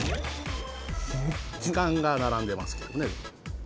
時間がならんでますけどね。